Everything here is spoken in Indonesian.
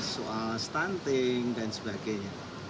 soal stunting dan sebagainya